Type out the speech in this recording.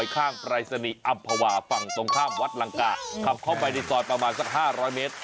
ข้ามวัดหลังกะขับเข้าไปในสอนประมาณสัก๕๐๐เมตร